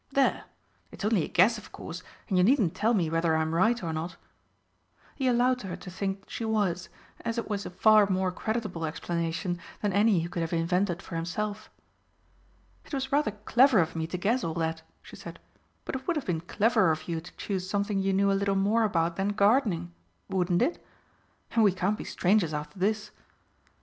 There! it is only a guess, of course, and you needn't tell me whether I'm right or not." He allowed her to think she was, as it was a far more creditable explanation than any he could have invented for himself. "It was rather clever of me to guess all that," she said. "But it would have been cleverer of you to choose something you knew a little more about than gardening, wouldn't it? And we can't be strangers after this.